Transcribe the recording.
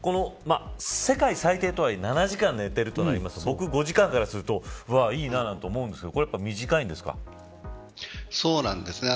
世界最低とはいえ７時間寝てるとなると僕５時間するからするといいなと思うんですけどそうなんですね。